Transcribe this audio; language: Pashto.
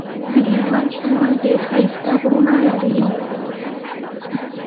د هلمند شمال ډير ښايسته غرونه لري.